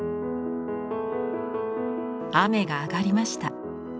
雨が上がりました。